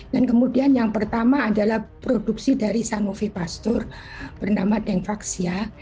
dan kemudian yang pertama adalah produksi dari sanofi pasteur bernama dengvaxia